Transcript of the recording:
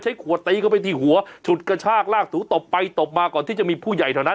ใช้ขั่วตัวอีกว่าไปที่หัวชดกระชากคุยลากถูกตบไปตบมาก่อนที่จะมีผู้ใหญ่เท่านั้น